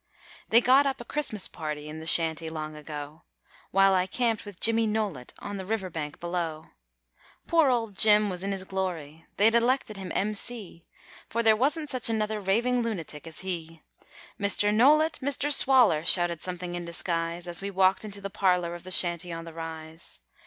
They got up a Christmas party in the Shanty long ago, While I camped with Jimmy Nowlett on the riverbank below; Poor old Jim was in his glory they'd elected him M.C., For there wasn't such another raving lunatic as he. 'Mr. Nowlett, Mr. Swaller!' shouted Something in Disguise, As we walked into the parlour of the Shanty on the Rise.